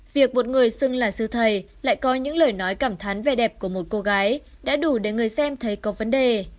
việc một người xưng là sư thầy lại có những lời nói cảm thắn vẻ đẹp của một cô gái đã đủ để người xem thấy có vấn đề